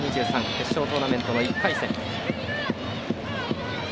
決勝トーナメントの１回戦。